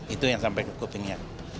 itu yang sampai kekuatannya